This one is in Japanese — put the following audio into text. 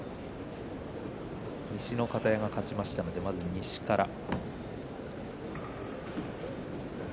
西の方屋が勝ちましたのでまず西からです。